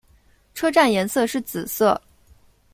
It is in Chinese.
车站颜色是紫色。